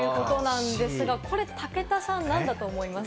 これは武田さんなんだと思います？